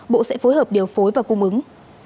bộ sẽ phối hợp điều phối và cung ứng